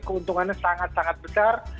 keuntungannya sangat sangat besar